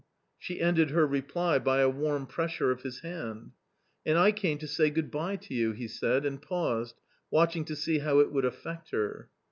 She ended her reply by a warm pressure of his hand. " And I came to say good bye to you !" he said and paused, watching to see how it would affect her.